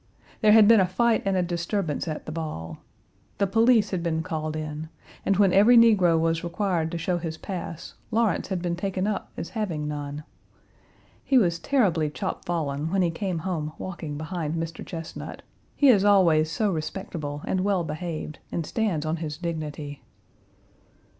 There had been a fight and a disturbance at the ball. The police had been called in, and when every negro was required to show his "pass," Lawrence had been taken up as having none. He was terribly chopfallen when he came home walking behind Mr. Chesnut. He is always so respectable and well behaved and stands on his dignity.